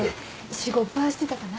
仕事ばしてたかな？